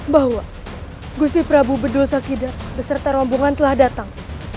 bahwa gusti prabu bedul sakide beserta rombongan telah datang